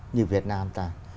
như việt nam ta